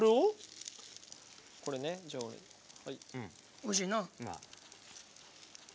おいしいなぁ。